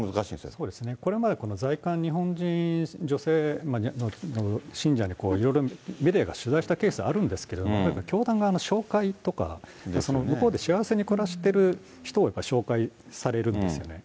これまで在韓日本人女性信者に、いろいろメディアが取材したケースあるんですけど、やっぱり教団側の紹介とか、向こうで幸せに暮らしている人を紹介されるんですよね。